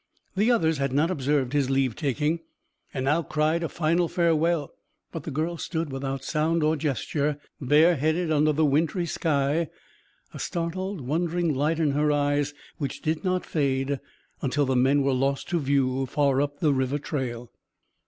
The others had not observed his leave taking, and now cried a final farewell; but the girl stood without sound or gesture, bareheaded under the wintry sky, a startled, wondering light in her eyes which did not fade until the men were lost to view far up the river trail.